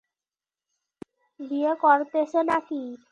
বিয়ে করতেছো নাকি?